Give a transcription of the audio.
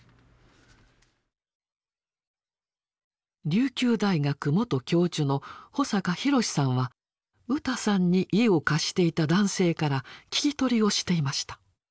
琉球大学元教授の保坂廣志さんはウタさんに家を貸していた男性から聞き取りをしていました。